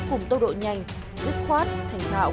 cùng tốc độ nhanh dứt khoát thành thạo